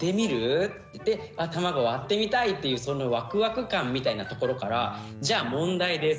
卵割ってみたいっていうそのワクワク感みたいなところから「じゃあ問題です。